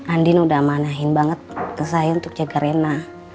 andien udah amanahin banget kesayang untuk jaga rena